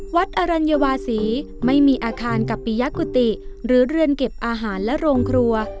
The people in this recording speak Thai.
อรัญวาศีไม่มีอาคารกับปียกุฏิหรือเรือนเก็บอาหารและโรงครัว